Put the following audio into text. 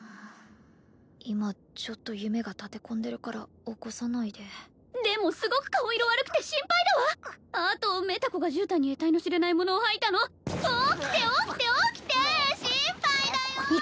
今ちょっと夢がたて込んでるから起こさないででもすごく顔色悪くて心配だわあとメタ子がじゅうたんにえたいの知れないものを吐いたの起きて起きて起きて心配だよー！